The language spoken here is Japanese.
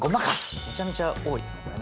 めちゃめちゃ多いですこれね。